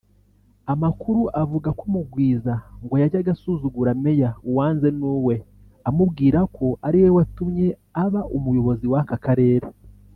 Amakuru avuga ko Mugwiza ngo yajyaga asuzugura Meya Uwanzenuwe amubwira ko ariwe watumye aba Umuyobozi w’ aka karere